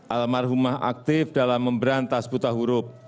almarhumah aktif dalam memberan tas buta huruf